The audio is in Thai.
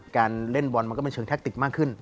การเล่นบอลมันก็เป็นเชิงแท็กติกมากขึ้น